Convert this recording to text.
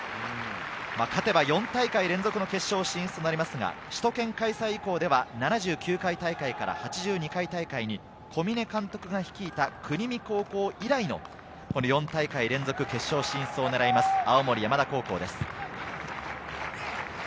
勝てば４大会連続の決勝進出もありますが、首都圏開催以降では７９回大会から８２回大会に小嶺監督が率いた国見高校以来の４大会連続決勝進出を狙います、青森山田高校です。